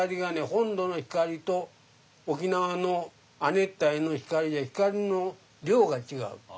本土の光と沖縄の亜熱帯の光で光の量が違う。